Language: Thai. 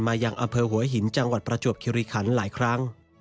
ยังอำเภอหัวหินจังหวัดประจวบคิริขันหลายครั้ง